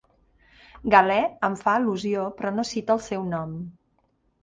Galè en fa al·lusió però no cita el seu nom.